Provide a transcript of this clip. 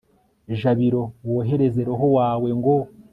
jabiro, wohereze roho wawe ngo